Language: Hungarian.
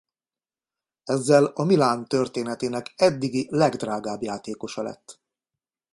Ezzel a Milan történetének addigi legdrágább játékosa lett.